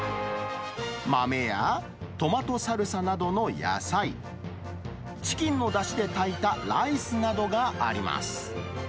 豆やトマトサルサなどの野菜、チキンのだしで炊いたライスなどがあります。